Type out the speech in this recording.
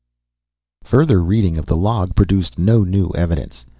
Further reading of the log produced no new evidence.